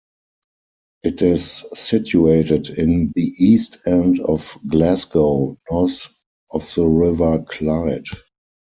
It is situated in the east end of Glasgow, north of the River Clyde.